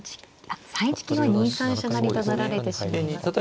あっ３一金は２三飛車成と成られてしまいますね。